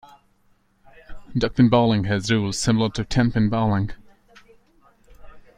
Duckpin bowling has rules similar to ten-pin bowling.